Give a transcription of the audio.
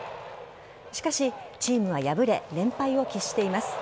しかし、チームは敗れ連敗を喫しています。